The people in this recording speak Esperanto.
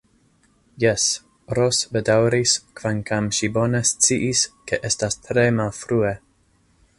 Jes, Ros bedaŭris, kvankam ŝi bone sciis, ke estas tre malfrue.